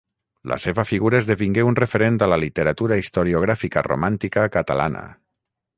La seva figura esdevingué un referent a la literatura historiogràfica romàntica catalana.